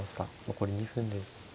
残り２分です。